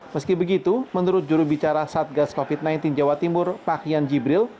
meski begitu menurut jurubicara satgas covid sembilan belas jawa timur pak hian jibril